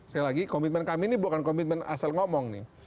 sekali lagi komitmen kami ini bukan komitmen asal ngomong nih